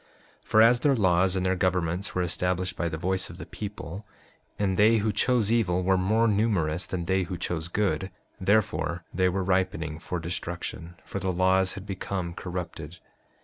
5:2 For as their laws and their governments were established by the voice of the people, and they who chose evil were more numerous than they who chose good, therefore they were ripening for destruction, for the laws had become corrupted.